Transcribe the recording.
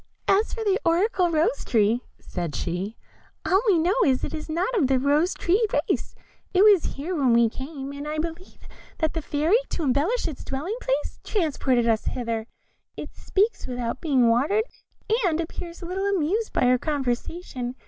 "As for the oracular Rose tree," said she, "all we know is, it is not of the rose tree race, it was here when we came, and I believe that the Fairy, to embellish its dwelling place, transplanted us hither; it speaks without being watered, and appears but little amused by our conversation.